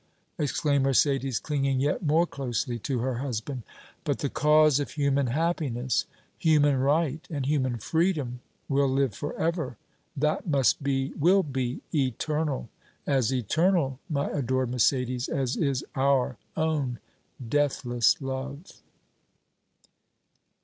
exclaimed Mercédès, clinging yet more closely to her husband. "But the cause of human happiness, human right and human freedom will live forever! That must be, will be eternal as eternal, my adored Mercédès, as is our own deathless love!"